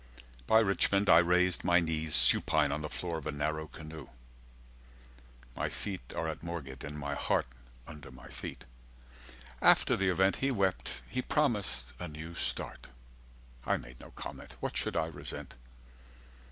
By Richmond I raised my knees Supine on the floor of a narrow canoe." "My feet are at Moorgate, and my heart Under my feet. After the event He wept. He promised 'a new start'. I made no comment. What should I resent?"